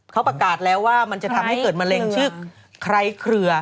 เขาประกาศแล้วว่ามันจะทำให้เกิดมะเร็งชื่อไคร้เครือ